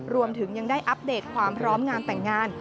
รวมถึงยังได้อัปเดตความพร้อมงานแต่งงาน